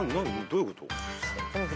どういうこと？